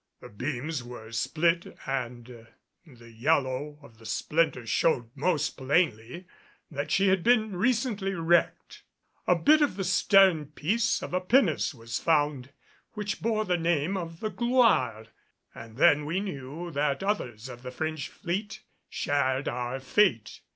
The beams were split and the yellow of the splinters showed most plainly that she had been recently wrecked. A bit of the stern piece of a pinnace was found, which bore the name of the Gloire and then we knew that others of the French fleet shared our fate.